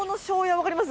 分かります？